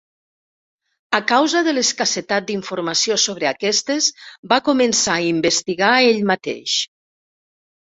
A causa de l'escassetat d'informació sobre aquestes, va començar a investigar ell mateix.